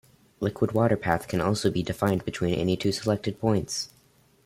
Liquid water path can also be defined between any two selected points.